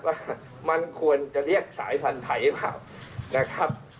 ว่ามันควรจะเรียกสายพันธุ์ไทยหรือเปล่านะครับ